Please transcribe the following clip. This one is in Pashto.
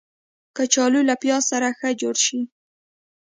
کچالو له پیاز سره ښه جوړ شي